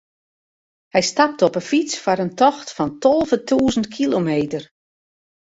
Hy stapte op de fyts foar in tocht fan tolve tûzen kilometer.